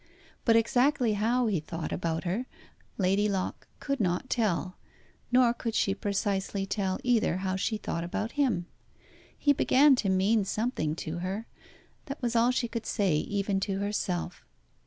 But exactly how he thought about her, Lady Locke could not tell; nor could she precisely tell either how she thought about him. He began to mean something to her. That was all she could say even to herself.